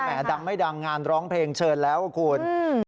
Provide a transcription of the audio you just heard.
ดังไม่ดังงานร้องเพลงเชิญแล้วคุณ